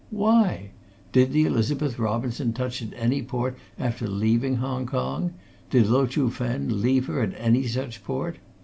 Why? Did the Elizabeth Robinson touch at any port after leaving Hong Kong? Did Lo Chuh Fen leave her at any such port?